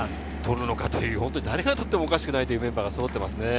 誰が取ってもおかしくないメンバーがそろっています。